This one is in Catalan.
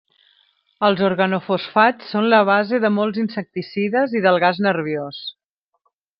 Els organofosfats són la base de molts insecticides i del gas nerviós.